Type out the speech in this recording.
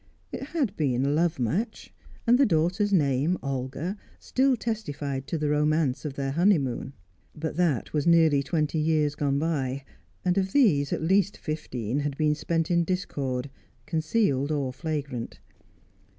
It had been a love match, and the daughter's name, Olga, still testified to the romance of their honeymoon; but that was nearly twenty years gone by, and of these at least fifteen had been spent in discord, concealed or flagrant.